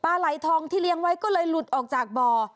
ไหลทองที่เลี้ยงไว้ก็เลยหลุดออกจากบ่อ